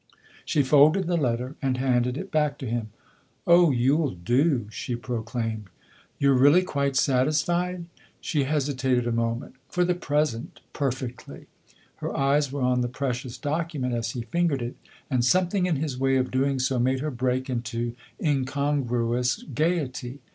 She folded the letter and handed it back to him. " Oh, you'll do!" she proclaimed. " You're really quite satisfied ?" She hesitated a moment. " For the present perfectly." Her eyes were on the precious document as he fingered it, and something in his way of doing so made her break into incon gruous gaiety.